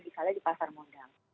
misalnya di pasar modal